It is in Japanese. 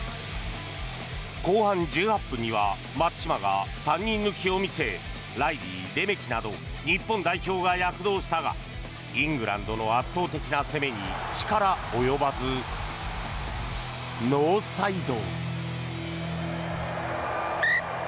後半１８分には松島が３人抜きを見せライリー、レメキなど日本代表が躍動したがイングランドの圧倒的な攻めに力及ばずノーサイド。